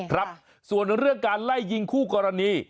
ครับส่วนเรื่องการไล่ยิงคู่กรณี